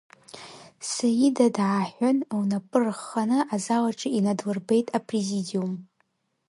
Саида дааҳәын, лнапы рыхханы азал аҿы инадлырбеит апрезидиум.